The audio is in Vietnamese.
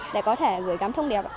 để có thể gửi gắm thông điệp